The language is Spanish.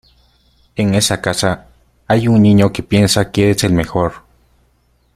En esa casa hay un niño que piensa que eres el mejor.